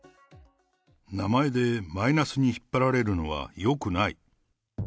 名前でマイナスに引っ張られるのはよくない。